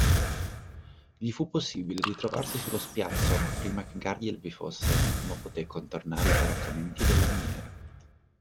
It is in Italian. Gli fu possibile di trovarsi sullo spiazzo prima che Gardiel vi fosse, ma poté contornare i baraccamenti della miniera.